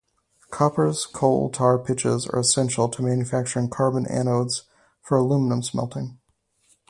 Kopper's coal tar pitches are essential to manufacturing carbon anodes for aluminum smelting.